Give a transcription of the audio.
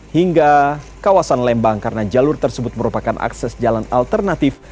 hingga kawasan lembang karena jalur tersebut merupakan akses jalan alternatif